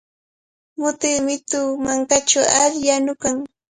Mutiqa mitu mankachawmi alli yanukan.